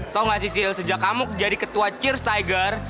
tau gak sih sejak kamu jadi ketua cheers tiger